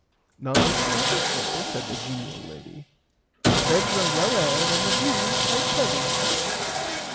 None whatever sir said the genial lady the beds are well aired and the view is quite pleasant.